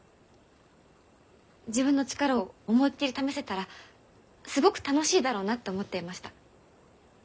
自分の力を思いっきり試せたらすごく楽しいだろうなって思っていました。